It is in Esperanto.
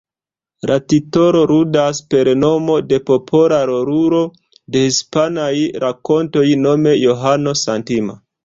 La titolo ludas per nomo de popola rolulo de hispanaj rakontoj, nome Johano Sentima.